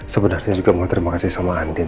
sebenarnya juga mau terima kasih sama andin